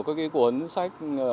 cái cuốn sách